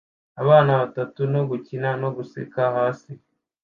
Abana batatu no gukina no guseka hasi